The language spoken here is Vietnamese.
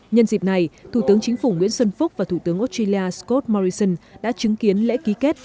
nhân dịp này thủ tướng chính phủ nguyễn xuân phúc và thủ tướng australia scott morrison đã chứng kiến lễ ký kết